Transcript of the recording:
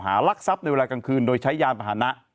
รักทรัพย์ในเวลากลางคืนโดยใช้ยานพาหนะ